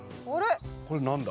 これ何だ？